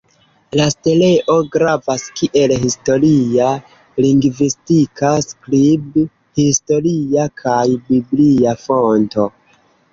La steleo gravas kiel historia, lingvistika, skrib-historia kaj biblia fonto.